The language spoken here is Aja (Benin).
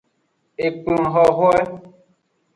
Ekplon hwehwe.